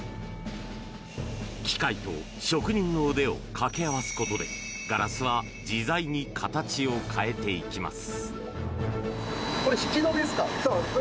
機械と職人の腕を掛け合わすことでガラスは自在に形を変えていきます。